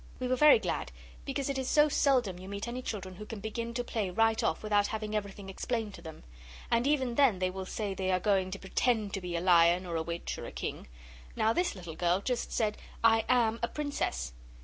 We were very glad, because it is so seldom you meet any children who can begin to play right off without having everything explained to them. And even then they will say they are going to 'pretend to be' a lion, or a witch, or a king. Now this little girl just said 'I am a Princess.